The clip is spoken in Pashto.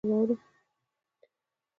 د یخې کړپی چې له سطل سره ټکر کوي، واورم.